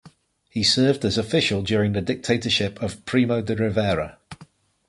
He served as official during the dictatorship of Primo de Rivera.